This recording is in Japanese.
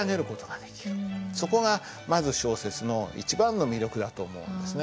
そこがまず小説の一番の魅力だと思うんですね。